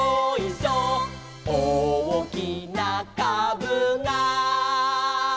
「おおきなかぶが」